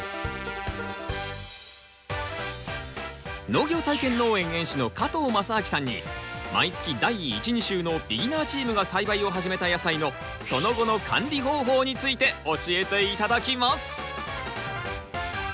農業体験農園園主の加藤正明さんに毎月第１・２週のビギナーチームが栽培を始めた野菜のその後の管理方法について教えて頂きます！